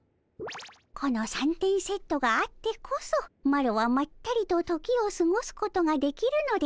この三点セットがあってこそマロはまったりと時をすごすことができるのでおじゃる。